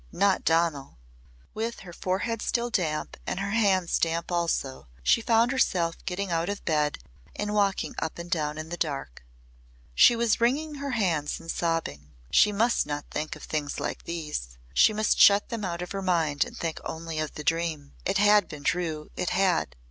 Not Donal! With her forehead still damp and her hands damp also she found herself getting out of bed and walking up and down in the dark. She was wringing her hands and sobbing. She must not think of things like these. She must shut them out of her mind and think only of the dream. It had been true it had!